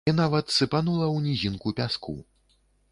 І нават сыпанула ў нізінку пяску.